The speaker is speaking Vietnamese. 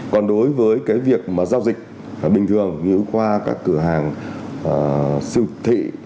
còn đối với cái việc mà giao dịch bình thường như qua các cửa hàng siêu thị